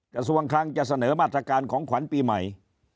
กระทรวงคลังจะเสนอมาตรการของขวัญปีใหม่